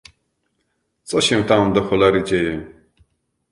Co się tam, do cholery, dzieje?